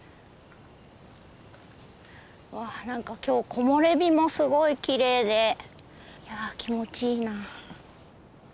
わあ何か今日木漏れ日もすごいきれいでいや気持ちいいな。